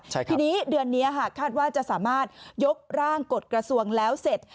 ทีนี้เดือนนี้ค่ะคาดว่าจะสามารถยกร่างกฎกระทรวงแล้วเสร็จ